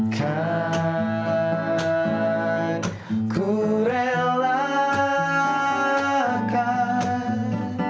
kan ku relakan